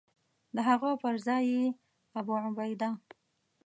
د هغه پر ځای یې ابوعبیده.